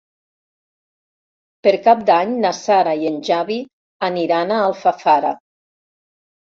Per Cap d'Any na Sara i en Xavi aniran a Alfafara.